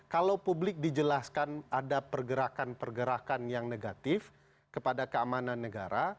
kalau publik dijelaskan ada pergerakan pergerakan yang negatif kepada keamanan negara